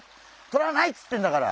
とらないっつってんだから！